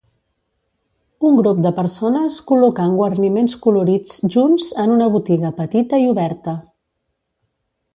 Un grup de persones col·locant guarniments colorits junts en una botiga petita i oberta.